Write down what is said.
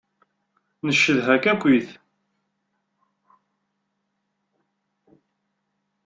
Ncedha-k akkit.